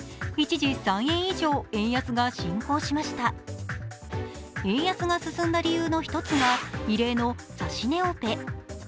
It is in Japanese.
一時、３円以上、円安が進行しました円安が進んだ理由の一つが異例の指し値オペ。